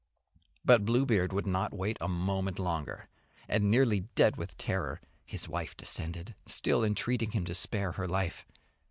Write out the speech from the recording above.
But Bluebeard would wait not a moment longer, and nearly dead with terror his wife descended, still entreating him to spare her life.